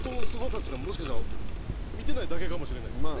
っちゅうのはもしかしたら見てないだけかもしれないですからね。